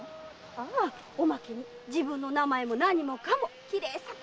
ああおまけに自分の名前も何もかもきれいさっぱり忘れて。